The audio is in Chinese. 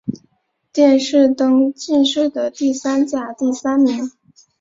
殿试登进士第三甲第三名。